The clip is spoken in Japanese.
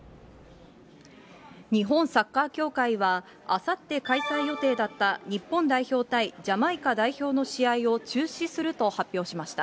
日本サッカー協会は、あさって開催予定だった、日本代表対ジャマイカ代表の試合を中止すると発表しました。